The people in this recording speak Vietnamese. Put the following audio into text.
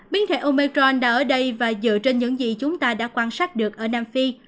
biến thể omecron đã ở đây và dựa trên những gì chúng ta đã quan sát được ở nam phi